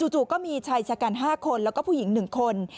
จู่ก็มีชายชะกัน๕คนแล้วก็ผู้หญิง๑คน